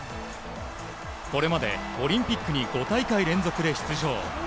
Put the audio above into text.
これまでオリンピックに５大会連続で出場。